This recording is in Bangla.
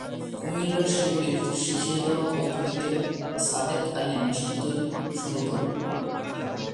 কুমিল্লার সেই ব্যক্তির শিখিয়ে দেওয়া পদ্ধতিতে সাদেক আলী মিষ্টি তৈরি শুরু করেন।